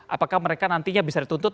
apakah mereka nantinya bisa dituntut